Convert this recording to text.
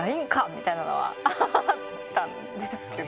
みたいなのはあったんですけど。